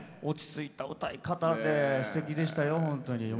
落ち着いた歌い方ですてきでしたよ、本当に。